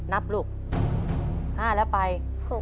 ลูก๕แล้วไป